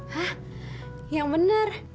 hah yang bener